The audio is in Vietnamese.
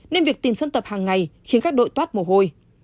nên việc tìm sân tập hàng ngày khiến các đội toát mồ hôi